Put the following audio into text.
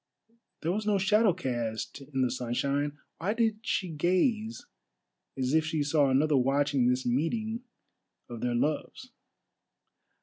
There was no shadow cast in the sunshine; why did she gaze as if she saw another watching this meeting of their loves?